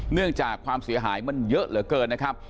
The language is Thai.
เนื่องจากความเสียหายมันเยอะเหลือเกินนะครับ